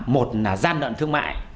một là gian đoạn thương mại